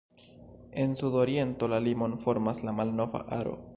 En sudoriento la limon formas la Malnova Aro.